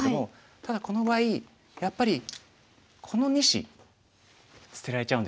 ただこの場合やっぱりこの２子捨てられちゃうんですよね。